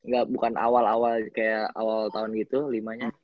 ga bukan awal awal kayak awal tahun gitu lima nya